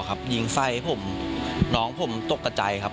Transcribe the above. รถแสงทางหน้า